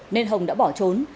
nên hồng đã bỏ trốn